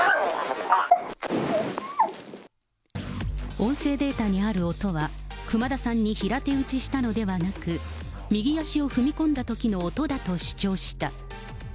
音声データにある音は、熊田さんに平手打ちしたのではなく、右足を踏み込んだときの音だと主張した。